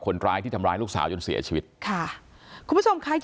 คนร้ายที่ทำร้ายลูกสาวจนเสียชีวิตค่ะคุณผู้ชมค่ะ